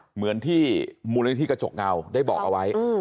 เหมือนที่มูลนิธิกระจกเงาได้บอกเอาไว้